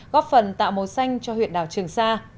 góp phần tạo màu xanh cho huyện đảo trường sa